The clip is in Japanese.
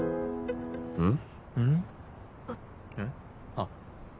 あっ。